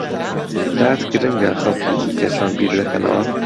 لات گرنگە خەڵکی دیکە چۆن بیر دەکەنەوە؟